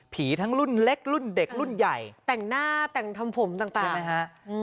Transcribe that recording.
ทั้งรุ่นเล็กรุ่นเด็กรุ่นใหญ่แต่งหน้าแต่งทำผมต่างนะฮะ